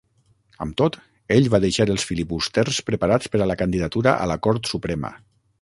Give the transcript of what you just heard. Amb tot, ell va deixar els filibusters preparats per a la candidatura a la Cort Suprema.